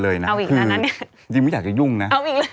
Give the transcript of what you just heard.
ถ้าจริงไม่อยากจะยุ่งนะ